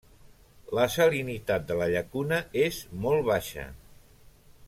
La salinitat de la llacuna és molt baixa.